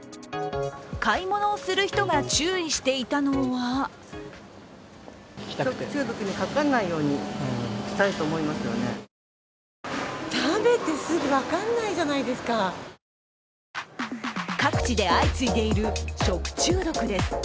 買い物をする人が注意していたのは各地で相次いでいる食中毒です。